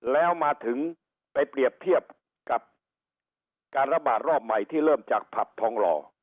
แล้วมาถึงไปเปรียบเทียบกับการระบาดรอบใหม่ที่เริ่มจากผับทองหล่อ